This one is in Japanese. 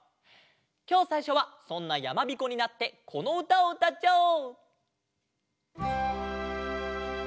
きょうさいしょはそんなやまびこになってこのうたをうたっちゃおう！